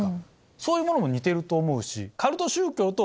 そういうものも似てると思うし。